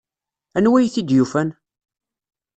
Anwa ay t-id-yufan?